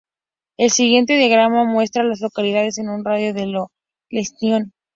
El siguiente diagrama muestra a las localidades en un radio de de Lexington.